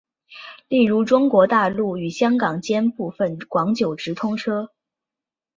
例如中国大陆与香港间部分广九直通车。